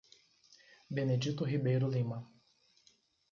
Benedito Ribeiro Lima